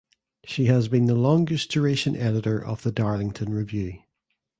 She has been the longest duration editor of the "Darlington Review".